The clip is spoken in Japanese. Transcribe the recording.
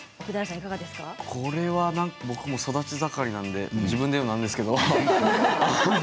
これは僕も育ち盛りなので自分で言うのもなんですけれど。